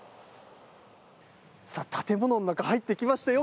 さあ、建物の中入ってきましたよ。